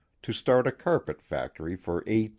to start a carpet factory for A.